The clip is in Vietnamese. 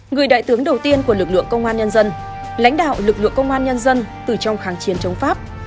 người đại tướng đầu tiên của lực lượng công an nhân dân lãnh đạo lực lượng công an nhân dân từ trong kháng chiến chống pháp